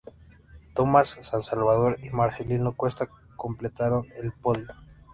Tomás San Salvador y Marcelino Cuesta completaron el podio.